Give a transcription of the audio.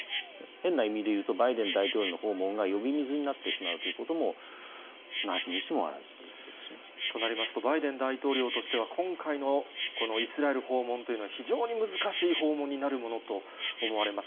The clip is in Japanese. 変な意味で言うと、バイデン大統領の訪問が呼び水になってしまうということも、となりますと、バイデン大統領としては、今回のこのイスラエル訪問というのは、非常に難しい訪問になるものと思われます。